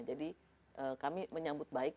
jadi kami menyambut baik